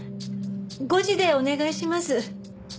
５時でお願いします。